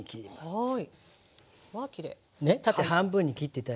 はい。